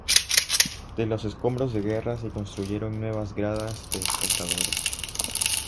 De los escombros de guerra se construyeron nuevas gradas de espectadores.